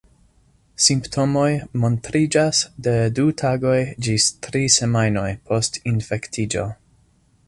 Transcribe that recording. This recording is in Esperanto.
Simptomoj montriĝas de du tagoj ĝis tri semajnoj post infektiĝo.